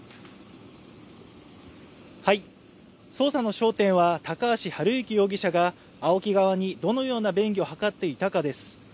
捜査の焦点は高橋治之容疑者がＡＯＫＩ側にどのような便宜を図っていたかです。